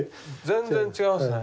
全然違いますね。